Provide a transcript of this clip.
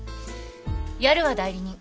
やるわ代理人。